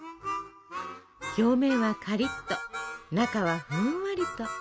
表面はカリッと中はふんわりと。